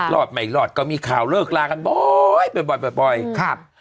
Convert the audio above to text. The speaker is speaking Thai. รอดไม่รอดก็มีข่าวเลิกลากันบ่อยบ่อยครับ